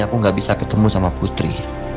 aku gak bisa ketemu sama putri